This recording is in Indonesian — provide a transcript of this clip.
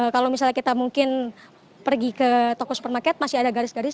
kalau misalnya kita mungkin pergi ke toko supermarket masih ada garis garis